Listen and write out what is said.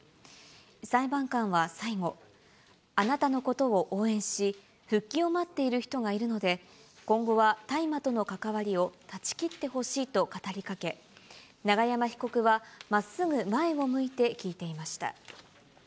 裁判官は最後、あなたのことを応援し、復帰を待っている人がいるので、今後は大麻との関わりを断ち切ってほしいと語りかけ、永山被告はまっすぐ前を向いて聞いていました。